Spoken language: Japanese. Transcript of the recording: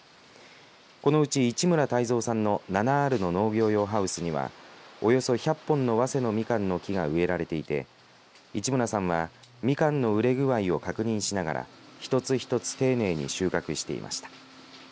このうち市村太三さんの７アールの農業用ハウスにはおよそ１００本のわせのみかんの木が植えられていて市村さんはみかんの熟れ具合を確認しながら一つ一つ丁寧に収穫していました。